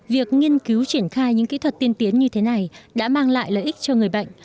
việc nghiên cứu triển khai những kỹ thuật tiên tiến như thế này đã mang lại lợi ích cho người bệnh